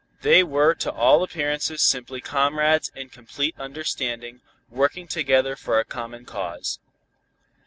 They were to all appearances simply comrades in complete understanding, working together for a common cause.